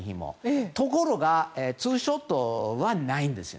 ところがツーショットはないんです。